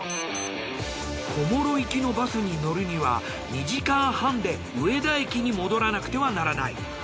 小諸行きのバスに乗るには２時間半で上田駅に戻らなくてはならない。